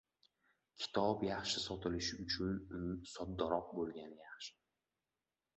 “Kitob yaxshi sotilishi uchun, uning soddaroq bo‘lgani yaxshi”.